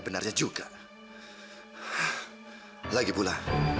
semoga nenada jugaalgipula